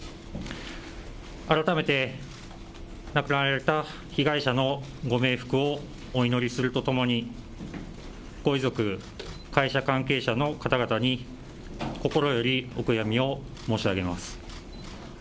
改めて亡くなられた被害者のご冥福をお祈りするとともにご遺族、会社関係者のかたがたに心よりお悔みを申し上げます。